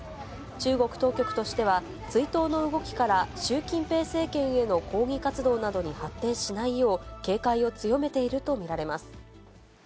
中国当局としては、追悼の動きから習近平政権への抗議活動などに発展しないよう、警戒を強めていると見られます。